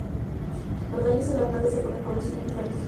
Los daños en la planta se pueden producir de diferentes modos.